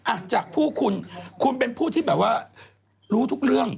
อ่ะจากผู้คุณคุณเป็นผู้ที่แบบว่ารู้ทุกเรื่อง